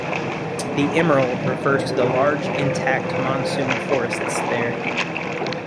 The "emerald" refers to the large intact monsoon forests there.